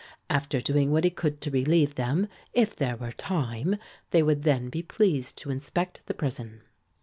After doing what he could to relieve them, if there were time, they would then be pleased to inspect the prison.